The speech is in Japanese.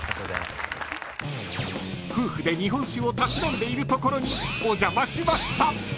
［夫婦で日本酒をたしなんでいるところにお邪魔しました］